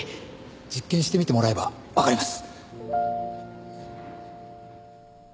実験してみてもらえばわかります。